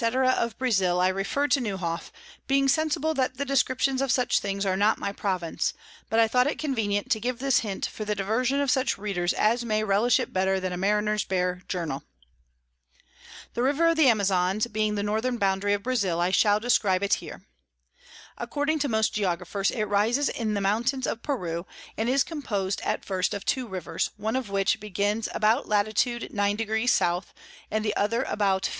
_ of Brazile, I refer to Newhoff; being sensible that the Descriptions of such things are not my Province, but I thought it convenient to give this Hint for the Diversion of such Readers as may relish it better than a Mariner's bare Journal. The River of the Amazons being the Northern Boundary of Brazile, I shall describe it here. According to most Geographers it rises in the Mountains of Peru, and is compos'd at first of two Rivers, one of which begins about Lat. 9. S. and the other about 15.